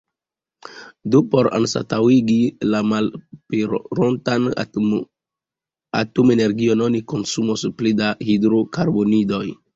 Do por anstataŭigi la malaperontan atomenergion oni konsumos pli da hidrokarbonidoj.